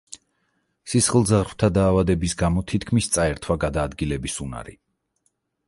სისხლძარღვთა დაავადების გამო თითქმის წაერთვა გადაადგილების უნარი.